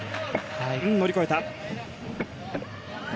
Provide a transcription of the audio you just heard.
乗り越えた。